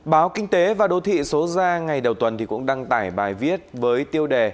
báo kinh tế và đô thị số ra ngày đầu tuần cũng đăng tải bài viết với tiêu đề